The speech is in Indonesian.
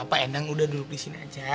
gapapa ndang udah duduk disini aja